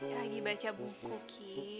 lagi baca buku ki